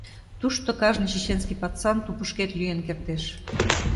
Тушто кажне чеченский пацан тупышкет лӱен кертеш.